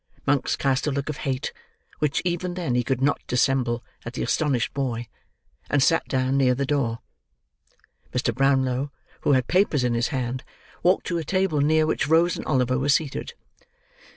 Monks cast a look of hate, which, even then, he could not dissemble, at the astonished boy, and sat down near the door. Mr. Brownlow, who had papers in his hand, walked to a table near which Rose and Oliver were seated.